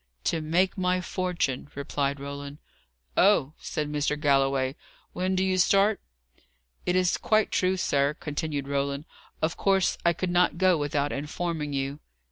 "To make my fortune," replied Roland. "Oh!" said Mr. Galloway. "When do you start?" "It is quite true, sir," continued Roland. "Of course I could not go without informing you."